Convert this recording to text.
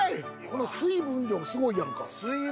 この水分量もすごいやんか。